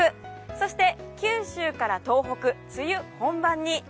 そして九州から東北梅雨本番に。